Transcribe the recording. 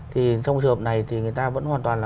thì trong trường hợp này thì người ta vẫn hoàn toàn là